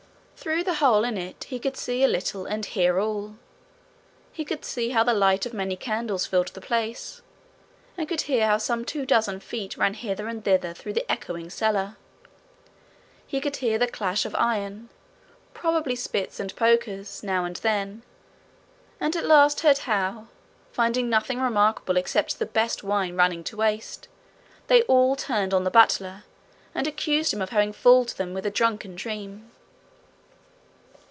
Through the hole in it he could see a little, and hear all. He could see how the light of many candles filled the place, and could hear how some two dozen feet ran hither and thither through the echoing cellar; he could hear the clash of iron, probably spits and pokers, now and then; and at last heard how, finding nothing remarkable except the best wine running to waste, they all turned on the butler and accused him of having fooled them with a drunken dream.